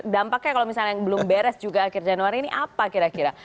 dampaknya kalau misalnya yang belum beres juga akhir januari ini apa kira kira